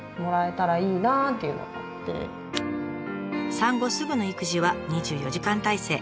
産後すぐの育児は２４時間態勢。